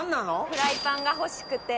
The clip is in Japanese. フライパンが欲しくて。